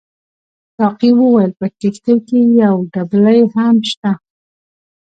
ساقي وویل په کښتۍ کې یو دبلۍ هم شته.